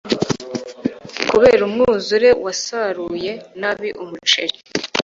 Kubera umwuzure, wasaruye nabi umuceri.